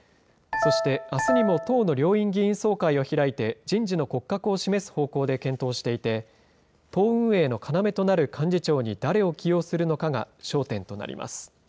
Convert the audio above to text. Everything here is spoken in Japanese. そしてあすにも党の両院議員総会を開いて、人事の骨格を示す方向で検討していて、党運営の要となる幹事長に誰を起用するのかが焦